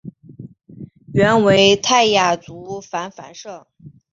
原为泰雅族芃芃社。